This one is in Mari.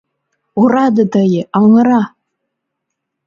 «Ораде тые, аҥыра!